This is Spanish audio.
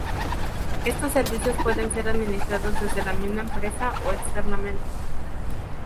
Estos servicios pueden ser administrados desde la misma empresa o externamente.